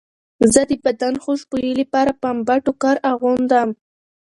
زه د بدن خوشبویۍ لپاره پنبه ټوکر اغوندم.